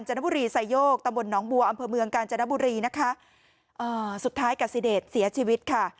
จนบุรีไซโยกตำบลหนองบัวอำเภอเมืองกาญจนบุรีนะคะอ่าสุดท้ายกาซิเดชเสียชีวิตค่ะ